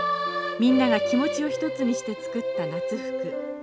みんなが気持ちを一つにして作った夏服。